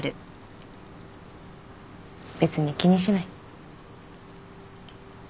別に気にしない。